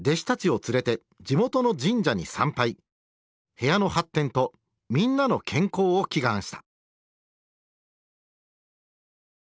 部屋の発展とみんなの健康を祈願した。